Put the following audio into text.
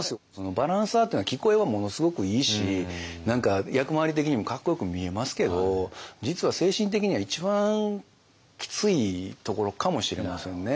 バランサーっていうのは聞こえはものすごくいいし何か役回り的にもかっこよく見えますけど実は精神的には一番きついところかもしれませんね。